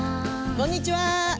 こんにちは。